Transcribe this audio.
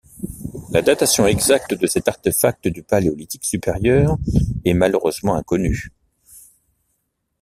La datation exacte de cet artefact du Paléolithique supérieur est malheureusement inconnue.